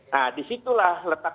nah disitulah letak